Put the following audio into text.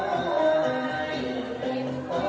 การทีลงเพลงสะดวกเพื่อความชุมภูมิของชาวไทย